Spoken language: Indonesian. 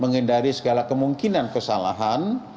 menghindari segala kemungkinan kesalahan